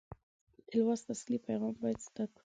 د لوست اصلي پیغام باید زده کړو.